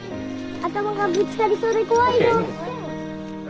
頭がぶつかりそうで怖いよ。